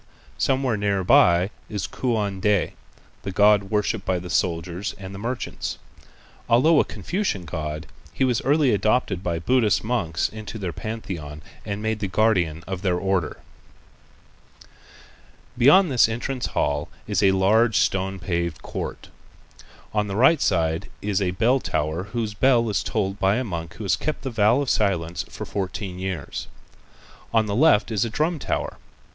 Somewhere near by is Kuan Ti, the god worshipped by the soldiers and merchants. Although a Confucian god, he was early adopted by Buddhist monks into their pantheon and made the guardian of their Order. Beyond this entrance hall is a large stone paved court. On the right side is a bell tower whose bell is tolled by a monk who has kept the vow of silence for fourteen years. On the left is a drum tower.